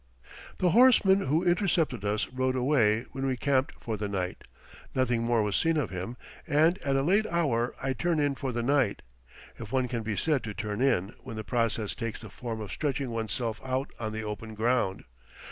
The horseman who intercepted us rode away when we camped for the night. Nothing more was seen of him, and at a late hour I turn in for the night if one can be said to turn in, when the process takes the form of stretching one's self out on the open ground.